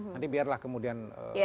nanti biarlah kemudian